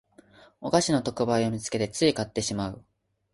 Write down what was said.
お菓子の特売を見つけてつい買ってしまう